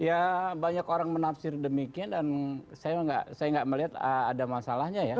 ya banyak orang menafsir demikian dan saya nggak melihat ada masalahnya ya